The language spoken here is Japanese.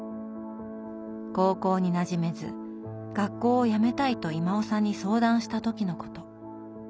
高校になじめず学校をやめたいと威馬雄さんに相談した時のこと。